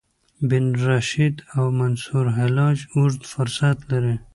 ابن رشد او منصورحلاج اوږد فهرست لري.